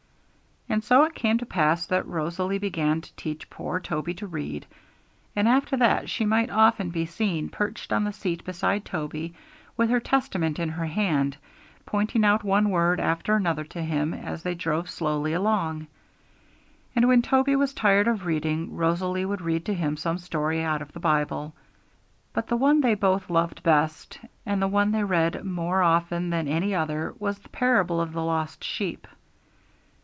And so it came to pass that Rosalie began to teach poor Toby to read. And after that she might often be seen perched on the seat beside Toby, with her Testament in her hand, pointing out one word after another to him as they drove slowly along. And when Toby was tired of reading, Rosalie would read to him some story out of the Bible. But the one they both loved best, and the one they read more often than any other, was the parable of the Lost Sheep.